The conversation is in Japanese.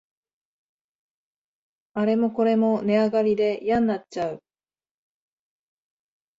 あれもこれも値上がりでやんなっちゃう